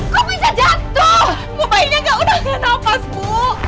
kok bisa jatuh mau mainnya enggak udah kenapa bu